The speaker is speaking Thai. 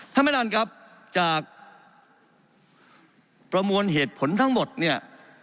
ถ้าไม่ดันครับจะประมวลเหตุผลทั้งหมดเนี่ย